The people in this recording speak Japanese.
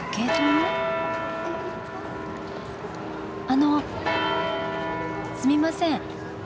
あのすみません。